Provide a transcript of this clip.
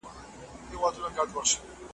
چي يې نوم وای تر اسمانه رسېدلی .